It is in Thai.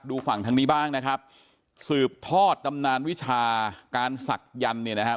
ฝั่งทางนี้บ้างนะครับสืบทอดตำนานวิชาการศักยันต์เนี่ยนะครับ